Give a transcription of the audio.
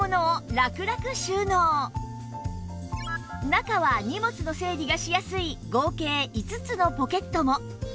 中は荷物の整理がしやすい合計５つのポケットも